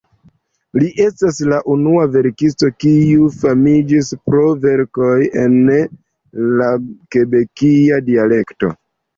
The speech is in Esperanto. Li estas la unua verkisto, kiu famiĝis pro verkoj en la kebekia dialekto.